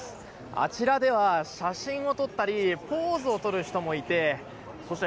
あちらでは写真を撮ったりポーズをとる人もいてそして